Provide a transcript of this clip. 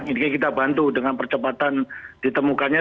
jadi kita bantu dengan percepatan ditemukannya